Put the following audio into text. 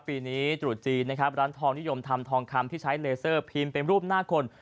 ปีนี้ตรุษจีนนะครับร้านทองนิยมทำทองคำที่ใช้เลเซอร์พิมพ์เป็นรูปหน้าคน